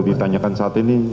ditanyakan saat ini